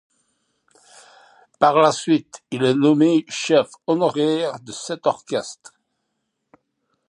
Par la suite, il est nommé chef honoraire de cet orchestre.